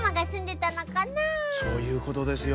そういうことですよ